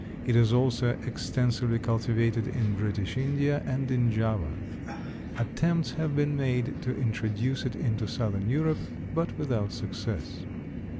It is also extensively cultivated in British India and in Java. Attempts have been made to introduce it into Southern Europe but without success.